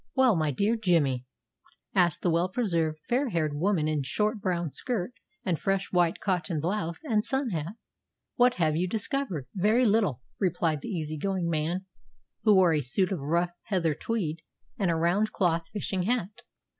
"Well, my dear Jimmy," asked the well preserved, fair haired woman in short brown skirt and fresh white cotton blouse and sun hat, "what have you discovered?" "Very little," replied the easy going man, who wore a suit of rough heather tweed and a round cloth fishing hat.